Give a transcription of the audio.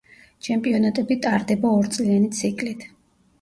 ჩემპიონატები ტარდება ორწლიანი ციკლით.